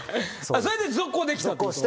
それで続行できたってこと？